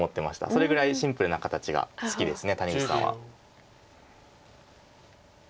それぐらいシンプルな形が好きです谷口さんは。